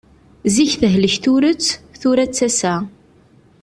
Zik tehlek turet, tura d tasa.